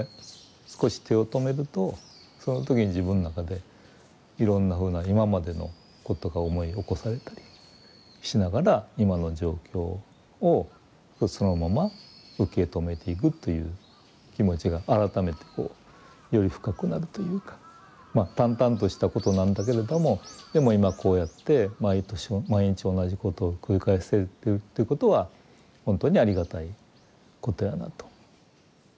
少し手を止めるとその時に自分の中でいろんなふうな今までのことが思い起こされたりしながら今の状況をそのまま受け止めていくという気持ちが改めてこうより深くなるというかまあ淡々としたことなんだけれどもでも今こうやって毎年毎日同じことを繰り返せてるということは本当にありがたいことやなと。